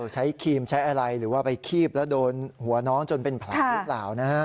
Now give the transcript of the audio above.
ครีมใช้อะไรหรือว่าไปคีบแล้วโดนหัวน้องจนเป็นแผลหรือเปล่านะฮะ